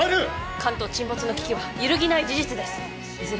関東沈没の危機は揺るぎない事実ですいずれ